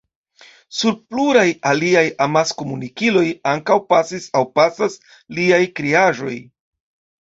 Sur pluraj aliaj amaskomunikiloj ankaŭ pasis aŭ pasas liaj kreaĵoj.